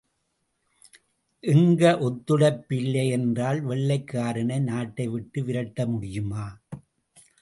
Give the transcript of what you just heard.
எங்க ஒத்துழைப்பு இல்லை என்றால் வெள்ளைக்காரனை நாட்டை விட்டு விரட்ட முடியுமா?